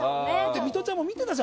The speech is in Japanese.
ミトちゃんも見てたじゃん。